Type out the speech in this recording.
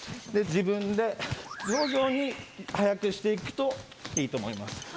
自分で徐々に速くしていくといいと思います。